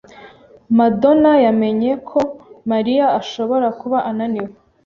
Madona yamenye ko Mariya ashobora kuba ananiwe.